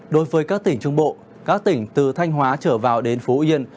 đối với các tỉnh trung bộ các tỉnh từ thanh hóa trở vào đến phú yên